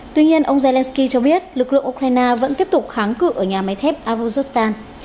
tuy nhiên ông zelenskyy cho biết lực lượng ukraine vẫn tiếp tục kháng cự ở nhà máy thép avuzostan